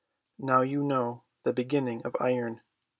Now you know the beginning of Iron.